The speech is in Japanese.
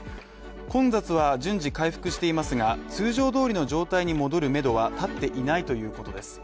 混雑は順次回復していますが通常どおりの状態に戻るめどは立っていないということです。